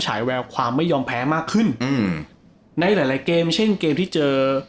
ฉายแววความไม่ยอมแพ้มากขึ้นอืมในหลายหลายเกมเช่นเกมที่เจอ